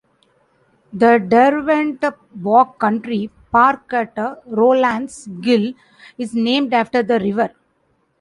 The Derwent Walk Country Park at Rowlands Gill is named after the river.